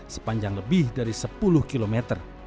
sepanjang lebih dari sepuluh km